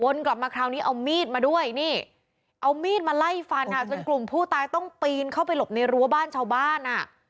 กลับมาคราวนี้เอามีดมาด้วยนี่เอามีดมาไล่ฟันค่ะจนกลุ่มผู้ตายต้องปีนเข้าไปหลบในรั้วบ้านชาวบ้านอ่ะ